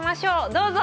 どうぞ！